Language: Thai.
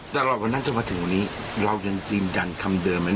ตลอดวันนั้นจนมาถึงวันนี้เรายังจีนยันคำเดิม